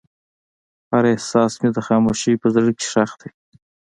هر احساس مې د خاموشۍ په زړه کې ښخ دی.